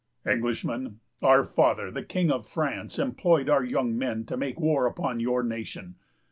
"'Englishman, our father, the King of France, employed our young men to make war upon your nation.